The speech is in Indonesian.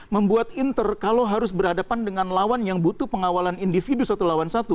membuat inter kalau harus berhadapan dengan lawan yang butuh pengawalan individu satu lawan satu